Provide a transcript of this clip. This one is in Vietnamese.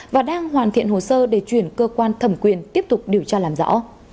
và đang hoàn thiện hồ sơ để chuyển cơ quan thẩm quyền tiếp tục điều tra làm rõ